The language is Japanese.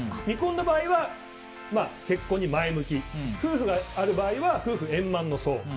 未婚の場合は、結婚に前向き夫婦がある場合は夫婦円満の相。